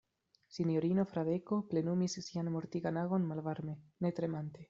Sinjorino Fradeko plenumis sian mortigan agon malvarme, ne tremante.